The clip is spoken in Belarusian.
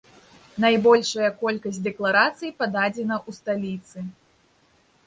Найбольшая колькасць дэкларацый пададзена ў сталіцы.